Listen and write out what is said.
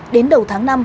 đến đầu tháng năm